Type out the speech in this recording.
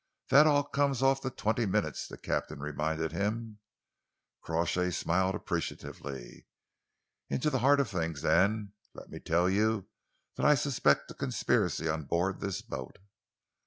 "This all comes off the twenty minutes," the captain reminded him. Crawshay smiled appreciatively. "Into the heart of things, then! Let me tell you that I suspect a conspiracy on board this boat."